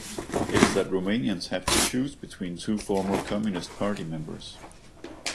It's that Romanians have to choose between two former Communist Party members.